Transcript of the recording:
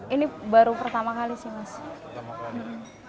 ini baru pertama kali sih mas